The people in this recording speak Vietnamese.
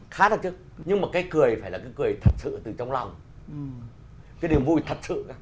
khá đặc trưng nhưng mà cái cười phải là cái cười thật sự từ trong lòng cái điều vui thật sự